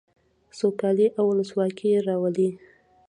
سوکالي او ولسواکي راولي.